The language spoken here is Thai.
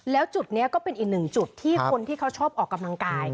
แล้วจุดนี้ก็เป็นอีกหนึ่งจุดที่คนที่เขาชอบออกกำลังกาย